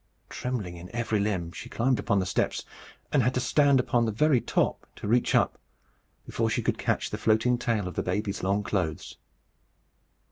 Trembling in every limb, she climbed upon the steps, and had to stand upon the very top, and reach up, before she could catch the floating tail of the baby's long clothes.